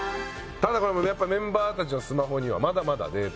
ただこれもやっぱりメンバーたちのスマホにはまだまだデータ。